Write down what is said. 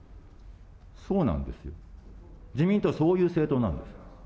そうなんですよ、自民党はそういう政党なんです。